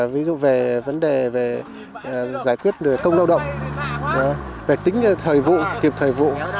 ví dụ về vấn đề về giải quyết công lao động về tính thời vụ kịp thời vụ